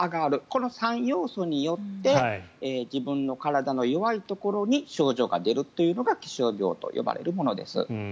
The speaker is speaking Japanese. この３要素によって自分の体の弱いところに症状が出るというのが気象病と呼ばれるものです。